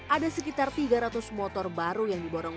ada sekitar tiga ratus motor baru yang diborong